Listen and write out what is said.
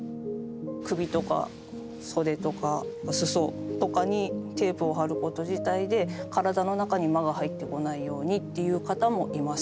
首とか袖とか裾とかにテープを貼ること自体で体の中に魔が入ってこないようにっていう方もいます。